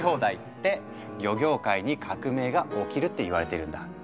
って漁業界に革命が起きるって言われているんだ。